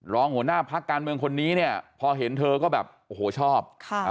รองหัวหน้าพักการเมืองคนนี้เนี่ยพอเห็นเธอก็แบบโอ้โหชอบ